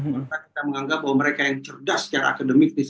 maka kita menganggap bahwa mereka yang cerdas secara akademistis